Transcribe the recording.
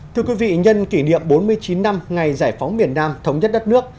thưa quý vị nhân kỷ niệm bốn mươi chín năm ngày giải phóng miền nam thống nhất đất nước